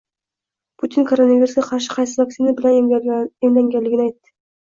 Putin koronavirusga qarshi qaysi vaksina bilan emlanganini aytdi